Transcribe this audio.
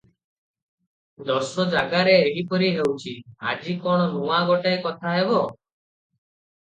ଦଶ ଜାଗାରେ ଏହିପରି ହେଉଛି, ଆଜି କଣ ନୂଆ ଗୋଟାଏ କଥା ହେବ?